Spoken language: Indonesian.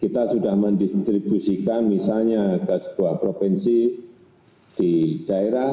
kita sudah mendistribusikan misalnya ke sebuah provinsi di daerah